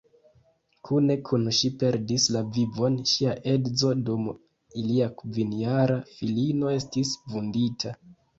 Kune kun ŝi perdis la vivon ŝia edzo dum ilia kvinjara filino estis vundita.